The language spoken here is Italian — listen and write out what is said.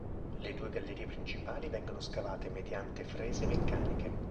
Le due gallerie principali vengono scavate mediante frese meccaniche.